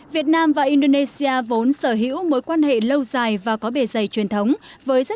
việt nam và indonesia vốn sở hữu mối quan hệ lâu dài và có bề dày truyền thống